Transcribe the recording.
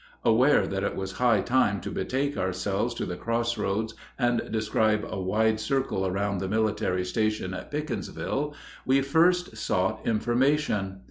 Aware that it was high time to betake ourselves to the cross roads and describe a wide circle around the military station at Pickensville, we first sought information.